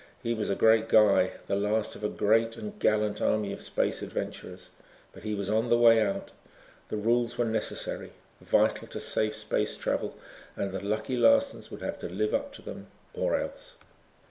He was a great guy, the last of a great and gallant army of space adventurers, but he was on the way out. The rules were necessary, vital to safe space travel and the Lucky Larsons would have to live up to them, or else.